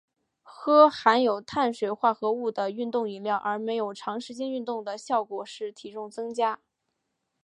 喝含有碳水化合物的运动饮料而没有长时间运动的效果是体重增加。